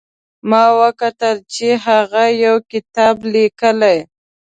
ما وکتل چې هغه یو کتاب لیکي